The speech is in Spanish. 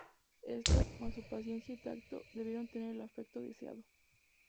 Esto, más su paciencia y tacto, debieron tener el efecto deseado.